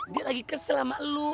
dia lagi kesel sama lo